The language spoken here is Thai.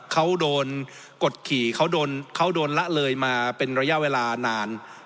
เขาโดนกดขี่เขาโดนละเลยมาเป็นระยะเวลานาน